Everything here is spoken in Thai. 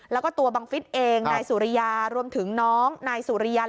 แล้วก็ตัวบังฟิศเองนายสุริยารวมถึงน้องนายสุริยัน